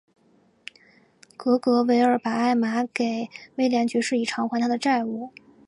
格雷维尔把艾玛给威廉爵士以偿还他的债务。